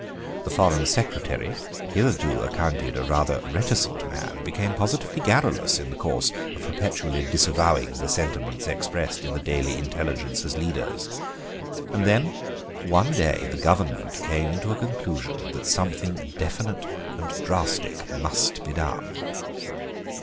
The Foreign Secretary, hitherto accounted a rather reticent man, became positively garrulous in the course of perpetually disavowing the sentiments expressed in the Daily Intelligencer's leaders; and then one day the Government came to the conclusion that something definite and drastic must be done.